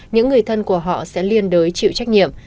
những người thân của họ sẽ liên đối chịu trách nhiệm